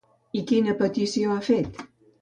I quina petició ha fet?